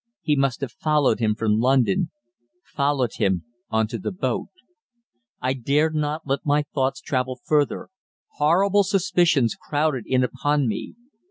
He must have followed him from London, followed him on to the boat I dared not let my thoughts travel further. Horrible suspicions crowded in upon me.